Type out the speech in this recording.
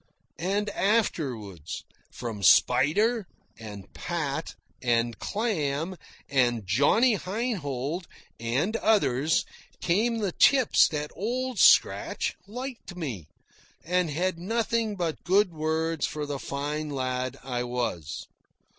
And afterwards, from Spider, and Pat, and Clam, and Johnny Heinhold, and others, came the tips that Old Scratch liked me and had nothing but good words for the fine lad I was.